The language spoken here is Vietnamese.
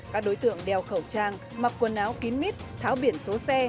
các đối tượng đeo khẩu trang mặc quần áo kín mít tháo biển số xe